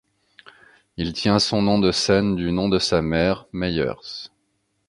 Il tient son nom de scène du nom de sa mère, Meyers.